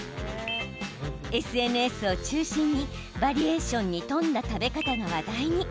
ＳＮＳを中心にバリエーションに富んだ食べ方が話題に。